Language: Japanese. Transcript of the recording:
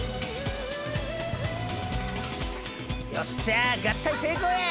よっしゃ合体成功や！